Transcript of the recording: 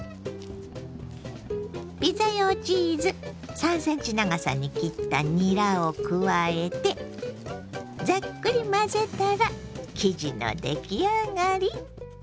ピザ用チーズ３ｃｍ長さに切ったにらを加えてざっくり混ぜたら生地の出来上がり。